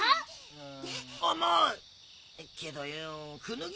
うん。